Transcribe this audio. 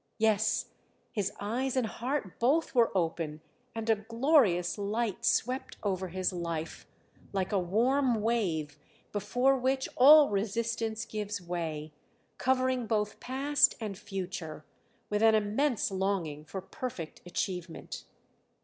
Yes, his eyes and heart both were open and a glorious light swept over his life, like a warm wave before which all resistance gives way, covering both past and future, with an immense longing for perfect achievement.